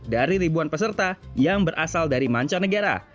dari ribuan peserta yang berasal dari mancanegara